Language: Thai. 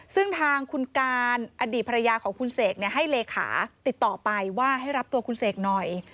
ซึ่งทางคุณการอดีตภรรยาของคุณเสกให้เลขาติดต่อไปว่าให้รับตัวคุณเสกหน่อย